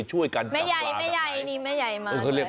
แม่ใหญ่นี่แม่ใหญ่มากเลย